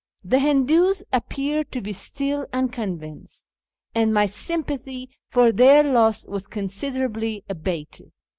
The Hindoos appeared to be still unconvinced, and my sympathy for their loss was considerably abated.